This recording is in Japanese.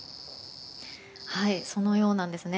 そのようなんですね。